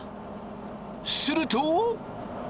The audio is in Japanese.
すると。